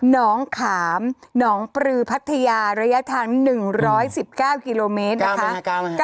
น้องขามหนองปลือพัทยาระยะทาง๑๑๙กิโลเมตรนะคะ